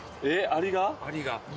アリが。